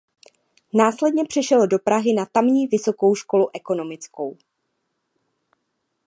Následně přešel do Prahy na tamní Vysokou školu ekonomickou.